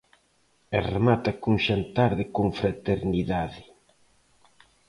E remata cun xantar de confraternidade.